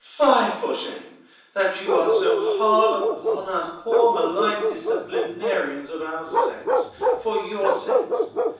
Fie for shame, that you are so hard upon us poor maligned disciplinarians of our sex, for your sakes!